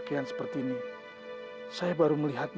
kau punya pasar barong apa sih